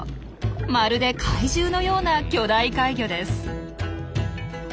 まるで怪獣のような巨大怪魚です。